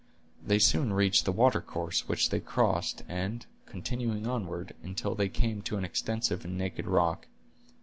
They soon reached the water course, which they crossed, and, continuing onward, until they came to an extensive and naked rock.